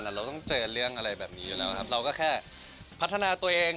เราต้องเจอเรื่องอะไรแบบนี้อยู่แล้วครับเราก็แค่พัฒนาตัวเอง